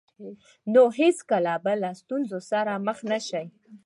نو هېڅکله به له ستونزو سره مخ نه شئ.